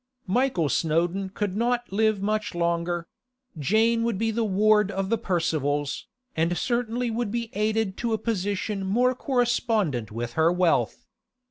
Michael Snowdon could not live much longer; Jane would be the ward of the Percivals, and certainly would be aided to a position more correspondent with her wealth.